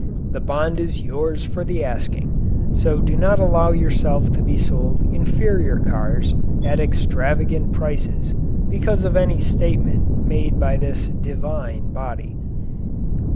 The bond is yours for the asking, so do not allow yourself to be sold inferior cars at extravagant prices because of any statement made by this "Divine" body.